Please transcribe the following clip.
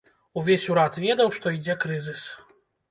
Увесь урад ведаў, што ідзе крызіс.